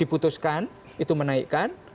diputuskan itu menaikkan